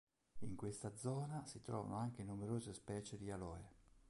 In questa zona si trovano anche numerose specie di "Aloe".